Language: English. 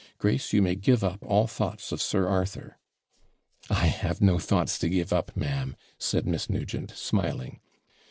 Grace, you may give up all thoughts of Sir Arthur.' 'I have no thoughts to give up, ma'am,' said Miss Nugent, smiling.